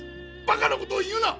バカなことを言うな！